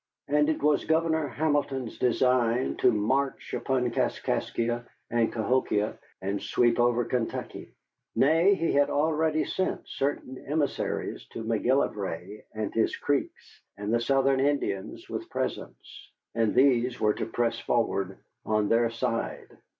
And it was Governor Hamilton's design to march upon Kaskaskia and Cahokia and sweep over Kentucky; nay, he had already sent certain emissaries to McGillivray and his Creeks and the Southern Indians with presents, and these were to press forward on their side.